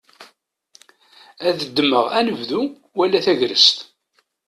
Ad ddmeɣ anebdu wala tagrest.